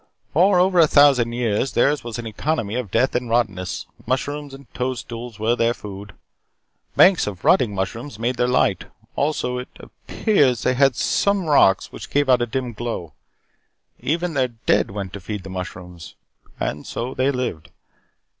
"For over a thousand years, theirs was an economy of death and rottenness. Mushrooms and toadstools were their food. Banks of rotting mushrooms made their light. Also, it appears they had some rocks which gave out a dim glow. Even their dead went to feed the mushrooms. And so they lived.